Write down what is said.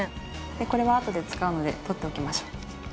これは後で使うので取っておきましょう。